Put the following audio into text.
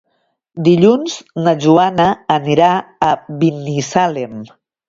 Dilluns na Joana anirà a Binissalem.